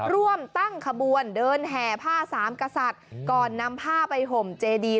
ร่วมตั้งขบวนเดินแห่ผ้าสามกษัตริย์ก่อนนำผ้าไปห่มเจดี